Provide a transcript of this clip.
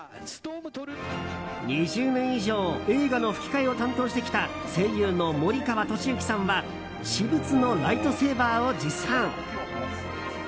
２０年以上映画の吹き替えを担当してきた声優の森川智之さんは私物のライトセーバーを持参。